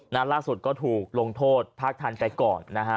นั้นล่าสุดก็ถูกลงโทษพระทันแต่ก่อนนะฮะ